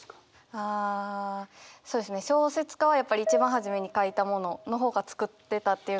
あそうですね小説家はやっぱり一番初めに書いたものの方が作ってたっていうか。